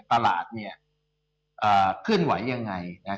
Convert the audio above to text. ตลาดเนี่ยขึ้นไหวยังไง